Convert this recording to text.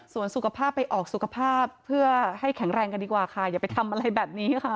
ส่วนสุขภาพไปออกสุขภาพเพื่อให้แข็งแรงกันดีกว่าค่ะอย่าไปทำอะไรแบบนี้ค่ะ